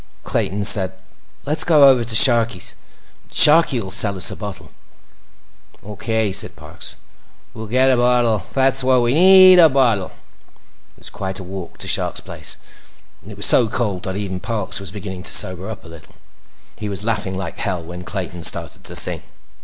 Clayton said: "Let's go over to Sharkie's. Sharkie will sell us a bottle." "Okay," said Parks. "We'll get a bottle. That's what we need: a bottle." It was quite a walk to the Shark's place. It was so cold that even Parks was beginning to sober up a little. He was laughing like hell when Clayton started to sing.